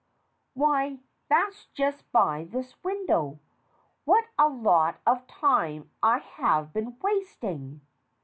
Why, that's just by this window. What a lot of time I have been wasting